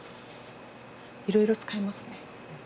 いろいろ使えますね。